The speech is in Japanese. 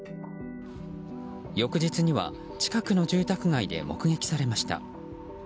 翌日には近くの住宅街で目撃されました。